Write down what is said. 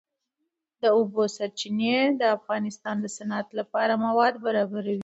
د اوبو سرچینې د افغانستان د صنعت لپاره مواد برابروي.